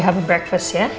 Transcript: kamu sarapan ya